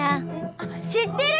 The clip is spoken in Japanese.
あっ知ってる！